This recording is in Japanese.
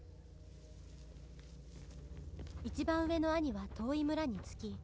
「一番上の兄は遠い村に着き」